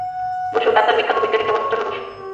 বসু, ডাক্তার বিখ্যাত বৈজ্ঞানিক জগদীশচন্দ্র বসু।